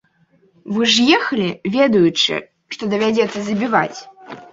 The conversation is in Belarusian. Вы ж ехалі, ведаючы, што давядзецца забіваць?